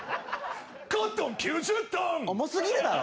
「コットン９０トン」重すぎるだろ。